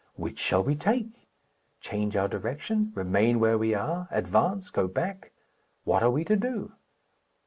Which shall we take? Change our direction, remain where we are, advance, go back? What are we to do?